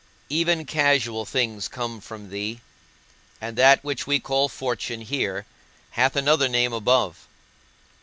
Even casual things come from thee; and that which we call fortune here hath another name above.